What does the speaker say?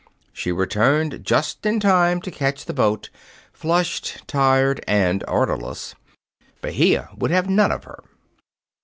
She returned just in time to catch the boat, flushed, tired, and orderless. Bahia would have none of her.